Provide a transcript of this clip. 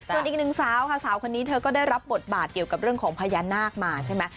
ส่วนอีกหนึ่งสาวค่ะสาวคนนี้เธอก็ได้รับบทบาทเกี่ยวกับเรื่องของพญานาคมาใช่ไหม